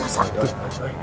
jatuh di mana sakit